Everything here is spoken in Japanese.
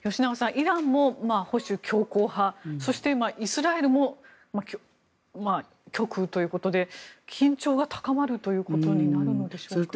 イランも保守強硬派そしてイスラエルも極右ということで緊張が高まるということになるのでしょうか。